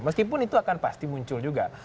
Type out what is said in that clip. meskipun itu akan pasti muncul juga